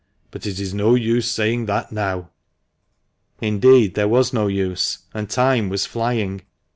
But it is no use saying that now? Indeed there was no use, and time was flying.